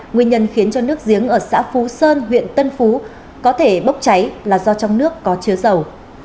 nguyên nhân khiến cho nước giếng ở xã phú sơn huyện tân phú có thể bốc cháy là do trong nước có chứa dầu